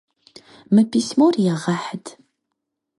Мы письмор егъэхьыт!